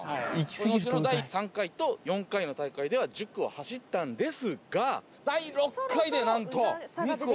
この後の第３回と４回の大会では１０区を走ったんですが第６回でなんと２区を。